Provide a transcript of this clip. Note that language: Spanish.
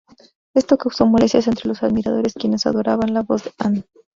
Esto causó molestia entre los admiradores quienes adoraban la voz de Han.